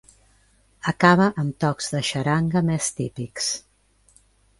Acaba amb tocs de xaranga més típics.